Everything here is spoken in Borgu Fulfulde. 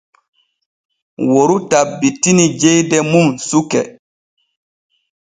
Woru tabbiti jeyde mum suke.